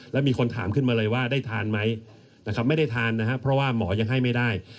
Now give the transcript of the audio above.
แล้วมีคนถามขึ้นมาเลยว่าได้ทานไหมนะครับไม่ได้ทานนะครับเพราะว่าหมอยังให้ไม่ได้